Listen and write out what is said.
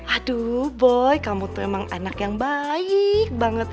aduh boy kamu tuh emang anak yang baik banget